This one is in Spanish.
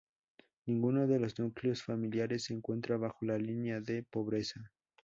Ninguna de los núcleos familiares se encuentra bajo la línea de pobreza.